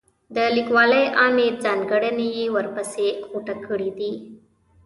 د لیکوالۍ عامې ځانګړنې یې ورپسې غوټه کړي دي.